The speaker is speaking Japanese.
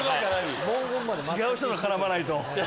違う人と絡まないと。